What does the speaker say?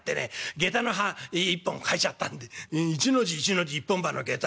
下駄の歯一本欠いちゃったんで『一の字一の字一本歯の下駄のあと』」。